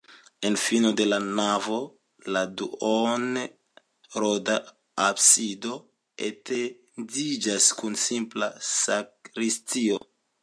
En fino de la navo la duonronda absido etendiĝas kun simpla sakristio.